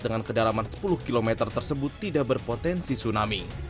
dengan kedalaman sepuluh km tersebut tidak berpotensi tsunami